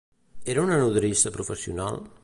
Era una nodrissa professional?